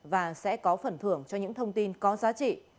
và sẽ có phần thưởng cho những thông tin có giá trị